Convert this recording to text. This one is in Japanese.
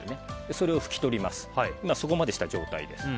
これは、そこまでした状態です。